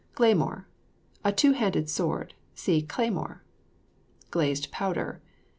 GLAYMORE. A two handed sword. (See CLAYMORE.) GLAZED POWDER.